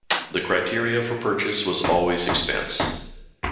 The criteria for purchase was always expense.